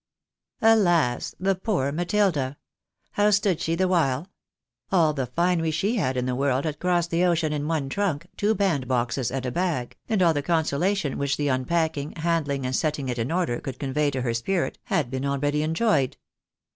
Alas ! the poor Matilda !" How stood she the while ?" All the finery she had in the world had crossed the ocean in one trunk, two bandboxes, and a bag, and all the consolation which the un packing, handUng, and setting it in order, could convey to her spirit, had been already enjoyed